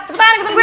cepetan ikutan gue